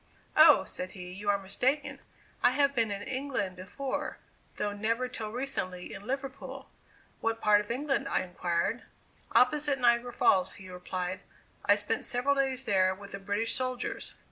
"Oh," said he, "you are mistaken. I have been in England before, though never till recently in Liverpool." "What part of England?" I inquired. "Opposite Niagara Falls," he replied; "I spent several days there with the British soldiers."